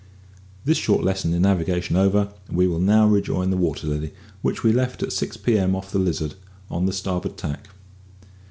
This short lesson in navigation over, we will now rejoin the Water Lily, which we left at six p.m. off the Lizard, on the starboard tack.